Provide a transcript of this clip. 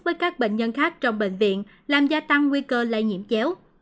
với các bệnh nhân khác trong bệnh viện làm gia tăng nguy cơ lây nhiễm chéo